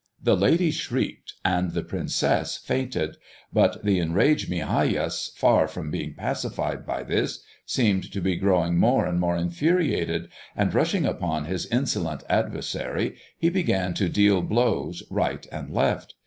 The ladies shrieked and the princess fainted; but the enraged Migajas, far from being pacified by this, seemed to be growing more and more infuriated, and rushing upon his insolent adversary, he began to deal blows right and left.